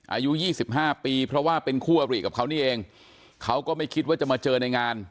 อายุ๒๕ปีเพราะว่าเป็นคู่อริกับเขานี่เองเขาก็ไม่คิดว่าจะมาเจอในงาน